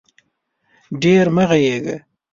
ډېر مه غږېږه